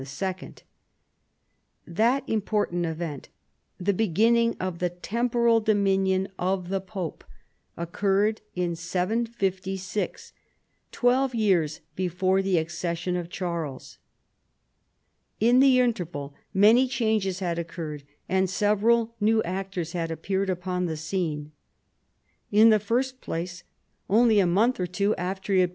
* That important event, the beginning of the temporal dominion of the pope, oc curred in 750, twelve years before the accession of Charles. In the interval many changes had occur red, and several new actors had appeared upon the scene. In the first place, only a month or two after he had * See p.